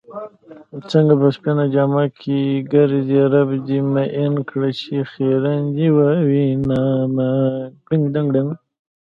څنګه په سپينه جامه ګرځې رب دې مئين کړه چې خيرن دې ووينمه